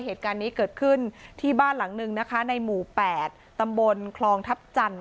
เหตุการณ์นี้เกิดขึ้นที่บ้านหลังนึงนะคะในหมู่๘ตำบลคลองทัพจันทร์